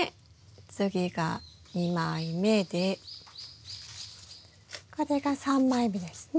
次が２枚目でこれが３枚目ですね。